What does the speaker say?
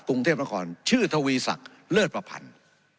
กรุงเทพนคระชื่อเถคเลเริศประพันธุ์